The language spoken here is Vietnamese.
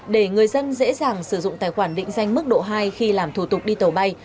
để người dân dễ dàng sử dụng tài khoản định danh mức độ hai khi làm thủ tục đi tàu bay